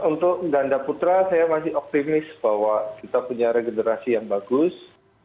untuk ganda putra saya masih optimis bahwa kita punya regenerasi yang bagus